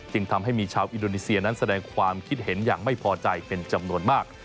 ทำให้มีชาวอินโดนีเซียนั้นแสดงความคิดเห็นอย่างไม่พอใจเป็นจำนวนมาก